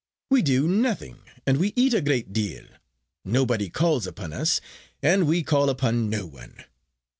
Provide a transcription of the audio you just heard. We do nothing, and we eat a great deal. Nobody calls upon us, and we call upon no one.